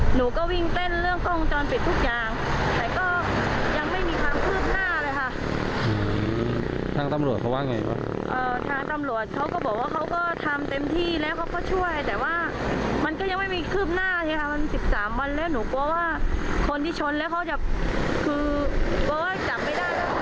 หนูกลัวว่าคนที่ชนแล้วเขาจะจับไม่ได้